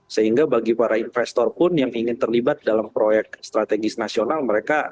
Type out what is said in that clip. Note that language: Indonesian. sehingga bagi para investor pun yang ingin terlibat dalam proyek strategis nasional mereka